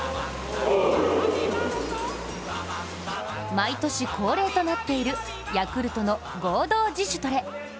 毎年恒例となっているヤクルトの合同自主トレ。